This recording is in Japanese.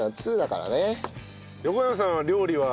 横山さんは料理は？